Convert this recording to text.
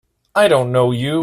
I don't know you!